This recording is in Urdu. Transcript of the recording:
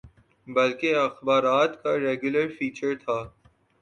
بلکہ اخبارات کا ریگولر فیچر تھا۔